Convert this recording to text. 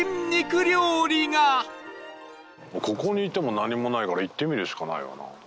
ここにいても何もないから行ってみるしかないわな。